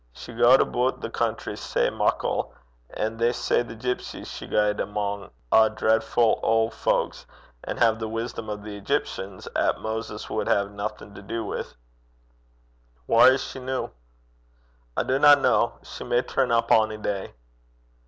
She gaed aboot the country sae muckle, an' they say the gipsies she gaed amang 's a dreadfu' auld fowk, an' hae the wisdom o' the Egyptians 'at Moses wad hae naething to do wi'.' 'Whaur is she noo?' 'I dinna ken. She may turn up ony day.'